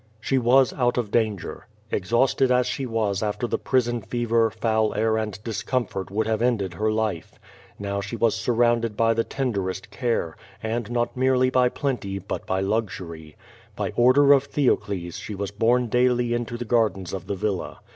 She was out of danger. Exhausted as she was after the [>rison fever, foul air and discomfort would have ended her ^. Now she was surrounded by the tenderest care, and not uie!^y by plcniy but by luxury. By order of Theocles, she was bornp daily into the gardens of the villa.